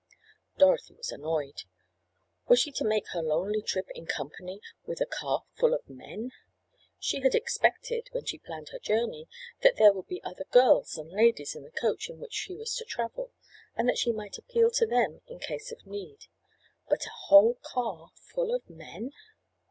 Dorothy was annoyed. Was she to make her lonely trip in company with a car full of men? She had expected, when she planned her journey, that there would be other girls and ladies in the coach in which she was to travel, and that she might appeal to them in case of need. But a whole car full of men!